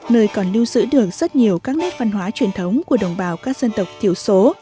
nơi còn lưu giữ được rất nhiều các nét văn hóa truyền thống của đồng bào các dân tộc thiểu số